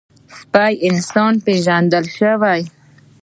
سپي انسان پېژندلی شي.